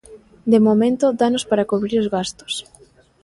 De momento dános para cubrir os gastos.